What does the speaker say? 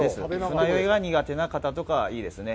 船酔いが苦手な方とかにもいいですね。